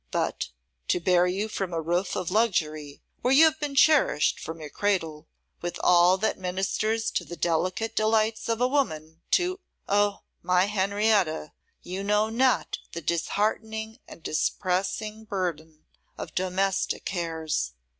'But, to bear you from a roof of luxury, where you have been cherished from your cradle, with all that ministers to the delicate delights of woman, to oh! my Henrietta, you know not the disheartening and depressing burthen of domestic cares.